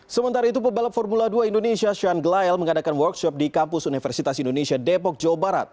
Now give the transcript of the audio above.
sementara itu pebalap formula dua indonesia sean glayle mengadakan workshop di kampus universitas indonesia depok jawa barat